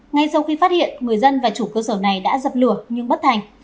ngay sau khi phát hiện người dân và chủ cơ sở này đã dập lửa nhưng bất thành